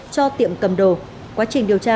cho tiệm cầm đồ quá trình điều tra